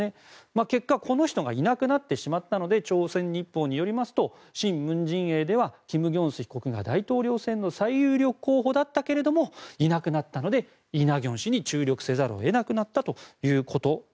結果、この人がいなくなってしまったので朝鮮日報によりますと新文陣営ではキム・ギョンス被告が大統領選の最有力候補だったけれどもいなくなったのでイ・ナギョン氏に注力せざるを得なくなったと。